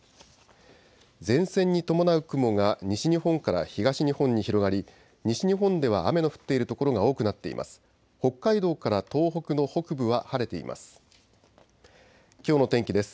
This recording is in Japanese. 前線に伴う雲が西日本から東日本に広がり西日本では雨の降っている所が多くなっています。